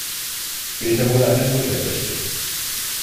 Später wurde eine Brücke errichtet.